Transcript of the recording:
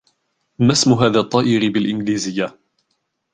ما اسم هذا الطائر بالإنجليزية ؟